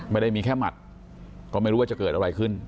ไม่ได้มีแค่หมัดก็ไม่รู้ว่าจะเกิดอะไรขึ้น